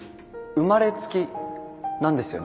生まれつきなんですよね。